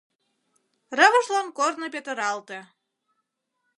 Рывыжлан корно петыралте.